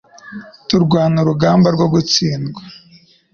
Turwana urugamba rwo gutsindwa